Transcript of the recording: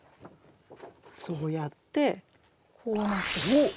そうやってこうなってしまう。